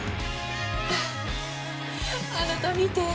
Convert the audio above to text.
フフあなた見て。